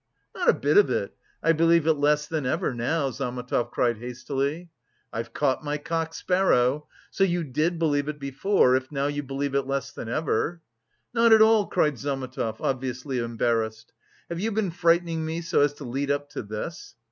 "Not a bit of it, I believe it less than ever now," Zametov cried hastily. "I've caught my cock sparrow! So you did believe it before, if now you believe less than ever?" "Not at all," cried Zametov, obviously embarrassed. "Have you been frightening me so as to lead up to this?"